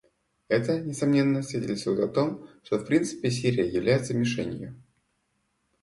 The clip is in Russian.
Это, несомненно, свидетельствует о том, что в принципе Сирия является мишенью.